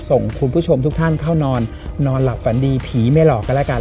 ส่งคุณผู้ชมทุกท่านเข้านอนนอนหลับฝันดีผีไม่หลอกกันแล้วกัน